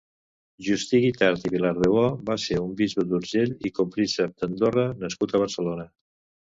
Justí Guitart i Vilardebó va ser un bisbe d'Urgell i Copríncep d'Andorra nascut a Barcelona.